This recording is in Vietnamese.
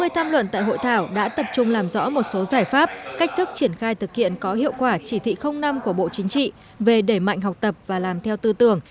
ba mươi tham luận tại hội thảo đã tập trung làm rõ một số giải pháp cách thức triển khai thực hiện có hiệu quả chỉ thị năm của bộ chính trị về đẩy mạnh học tập và làm theo tư tưởng